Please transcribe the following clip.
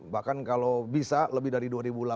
bahkan kalau bisa lebih dari dua ribu delapan belas